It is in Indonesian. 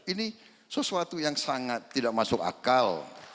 ini sesuatu yang sangat tidak masuk akal